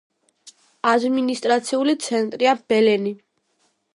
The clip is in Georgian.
ადმინისტრაციული ცენტრია ბელენი.